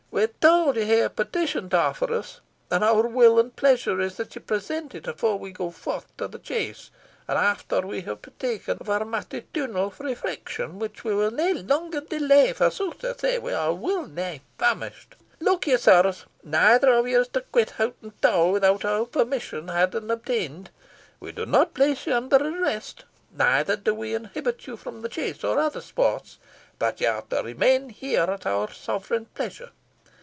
"We are tauld ye hae a petition to offer us, and our will and pleasure is that you present it afore we go forth to the chase, and after we have partaken of our matutinal refection, whilk we will nae langer delay; for, sooth to say, we are weel nigh famished. Look ye, sirs. Neither of you is to quit Hoghton Tower without our permission had and obtained. We do not place you under arrest, neither do we inhibit you from the chase, or from any other sports; but you are to remain here at our sovereign pleasure.